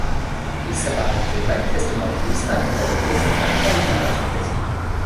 Ils s'apparentaient manifestement plus à un catalogue d'événements qu'à une narration classique.